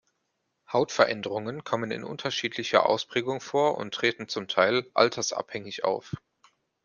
Hautveränderungen kommen in unterschiedlicher Ausprägung vor und treten zum Teil altersabhängig auf.